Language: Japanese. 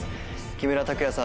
木村拓哉さん